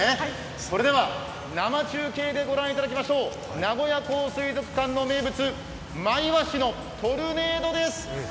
それでは生中継で御覧いただきましょう名古屋港水族館の名物、マイワシのトルネードです。